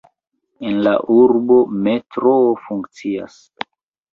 En la urbo metroo funkcias.